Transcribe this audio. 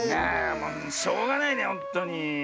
しょうがないねほんとに。